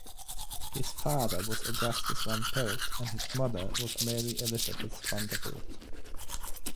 His father was Augustus Van Pelt and his mother was Mary Elizabeth Vanderbilt.